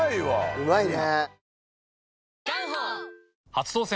うまいね。